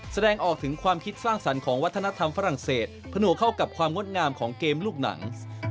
แสดงออกถึงความคิดสร้างสรรค์ของวัฒนธรรมฝรั่งเศสผนวกเข้ากับความงดงามของเกมลูกหนัง